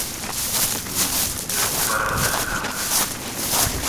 Иғтибарығыҙ өсөн рәхмәт!